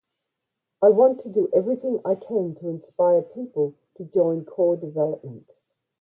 I want to do everything I can to inspire people to join core development.